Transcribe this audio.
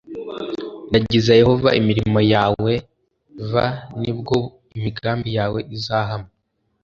ragiza yehova imirimo yawe v ni bwo imigambi yawe izahama